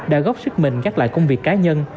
đã góp sức mình gác lại công việc cá nhân